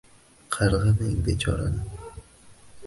Qarg‘amang bechorani.